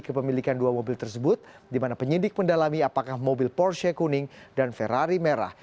kepemilikan dua mobil tersebut di mana penyidik mendalami apakah mobil porsche kuning dan ferrari merah